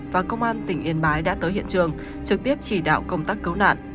và công an tỉnh yên bái đã tới hiện trường trực tiếp chỉ đạo công tác cứu nạn